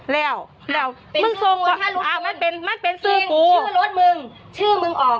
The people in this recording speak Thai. แล้วแล้วมึงส่งอ่ามันเป็นมันเป็นสื่อกูชื่อรถมึงชื่อมึงออก